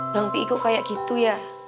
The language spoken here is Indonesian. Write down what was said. bang p i kok kayak gitu ya